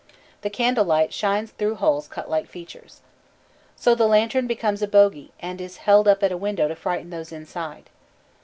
The candle light shines through holes cut like features. So the lantern becomes a bogy, and is held up at a window to frighten those inside.